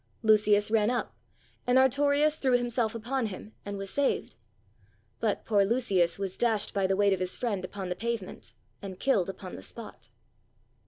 Lucius ran up, and Artorius threw himself upon him, and was saved. But poor Lucius was dashed by the weight of his friend upon the pavement, and killed upon the spot.